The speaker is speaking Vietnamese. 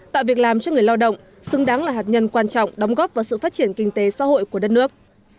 tạo việc làm cho người lao động xứng đáng là hạt nhân quan trọng đóng góp vào sự phát triển kinh tế xã hội của đất nước